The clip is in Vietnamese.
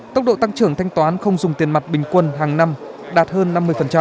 tốc độ tăng trưởng thanh toán không dùng tiền mặt bình quân hàng năm đạt hơn năm mươi